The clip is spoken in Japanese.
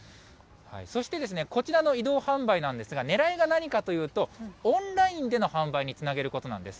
そして、こちらの移動販売なんですが、ねらいが何かというと、オンラインでの販売につなげることなんです。